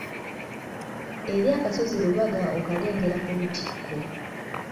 Eri akasozi Lubaga okalengera ku lutikko.